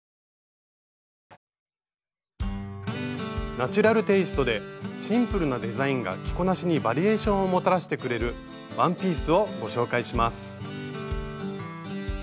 ナチュラルテイストでシンプルなデザインが着こなしにバリエーションをもたらしてくれるワンピースをご紹介します。